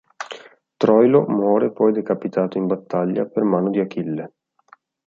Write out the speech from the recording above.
Troilo muore poi decapitato in battaglia per mano di Achille.